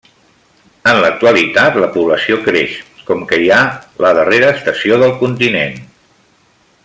En l'actualitat, la població creix, com que hi ha la darrera estació del continent.